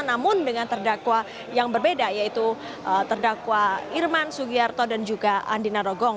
namun dengan terdakwa yang berbeda yaitu terdakwa irman sugiyarto dan juga andina rogong